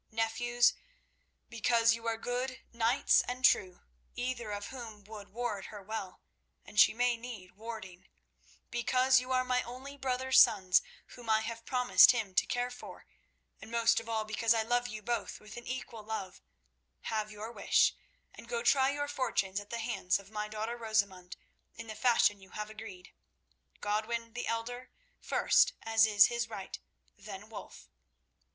Nephews, because you are good knights and true, either of whom would ward her well—and she may need warding—because you are my only brother's sons, whom I have promised him to care for; and most of all because I love you both with an equal love, have your wish, and go try your fortunes at the hands of my daughter Rosamund in the fashion you have agreed. Godwin, the elder, first, as is his right; then Wulf.